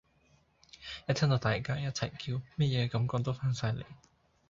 一聽到大家一齊叫，乜野感覺都返晒黎！